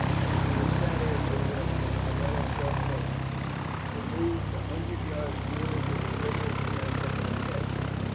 "We have sat here too long. Let us go forward." They moved a hundred yards nearer to the river and sat down again.